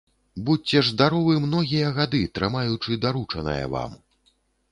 Будзьце ж здаровы многія гады, трымаючы даручанае вам.